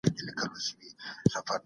دا زموږ ټولو ګډ مسوولیت دی.